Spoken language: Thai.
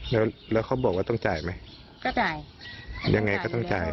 แล้วแล้วเขาบอกว่าต้องจ่ายไหมก็จ่ายยังไงก็ต้องจ่าย